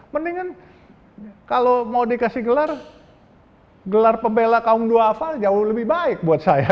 mendingan kalau mau dikasih gelar gelar pembela kaum dua afal jauh lebih baik buat saya